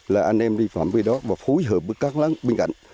là anh em đi phòng về đó và phối hợp với các láng bên cạnh